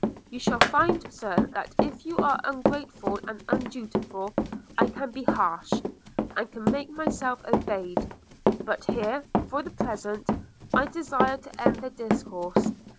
You shall find, Sir, that if you are ungreateful and undutiful, I can be harsh, and can make myself obeyed. But here, for the present, I desire to end the discourse.